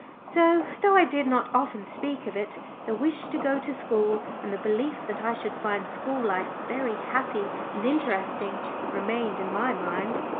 Still, though I did not often speak of it, the wish to go to school, and the belief that I should find school life very happy and interesting, remained in my mind.